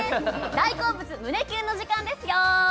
大好物胸キュンの時間ですよ